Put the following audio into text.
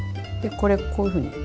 でこれこういうふうに。